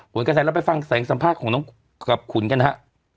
กระแสเราไปฟังเสียงสัมภาษณ์ของน้องกับขุนกันฮะ